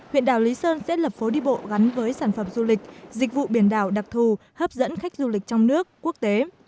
huyện đảo lý sơn sẽ lập phố đi bộ gắn với sản phẩm du lịch dịch vụ biển đảo đặc thù hấp dẫn khách du lịch trong nước quốc tế